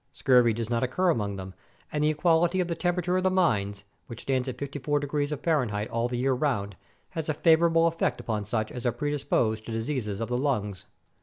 Scurvy does not occur among them, and the equality of the temperature of the mines — which stands at 54° of Fahrenheit all the year round — has a favorable effect upon such as are predisposed to dis eases of the lungs.